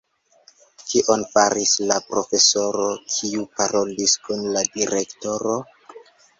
Kion faris la profesoro, kiu parolis kun la direktoro?